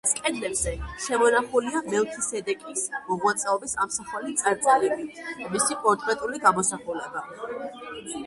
ამ ტაძრის კედლებზე შემონახულია მელქისედეკის მოღვაწეობის ამსახველი წარწერები და მისი პორტრეტული გამოსახულება.